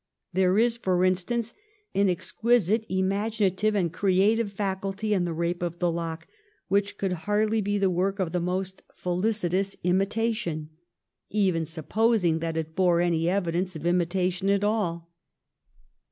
There is, for instance, an exquisite imaginative and creative faculty in ' The Eape of the Lock,' which could hardly be the work of the most felicitous 1711 *THE MESSIAH/ 239 imitation, even supposing that it bore any evidence of imitation at all.